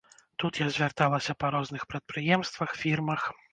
Тут я звярталася па розных прадпрыемствах, фірмах.